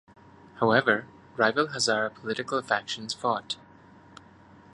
However, rival Hazara political factions fought.